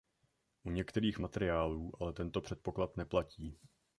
U některých materiálů ale tento předpoklad neplatí.